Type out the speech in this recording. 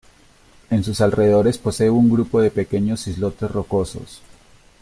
En sus alrededores posee un grupo de pequeños islotes rocosos.